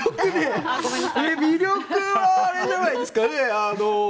魅力はあれじゃないですか？